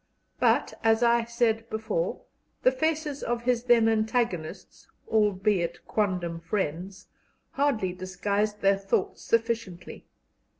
But, as I said before, the faces of his then antagonists albeit quondam friends hardly disguised their thoughts sufficiently.